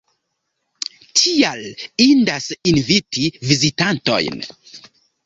Tial indas inviti vizitantojn.